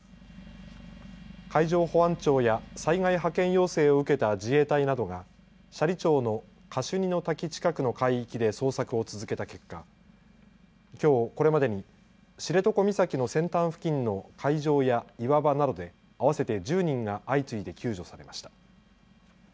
海上保安庁や災害派遣要請を受けた自衛隊などが斜里町のカシュニの滝近くの海域で捜索を続けた結果、きょう、これまでに知床岬の先端付近の海上や岩場などで合わせて１０人が相次いで救助されました。